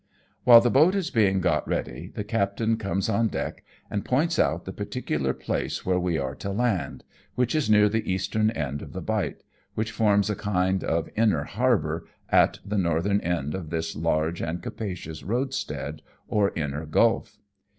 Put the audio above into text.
While the boat is being got ready, the captain comes on deck and points out the particular place where we are to land, which is near the eastern end of the bight, which forms a kind of inner harbour, at the northern SUGGESTED VISIT TO NAGASAKI i 67 end of this larga and capacious roadstead or inner gulf.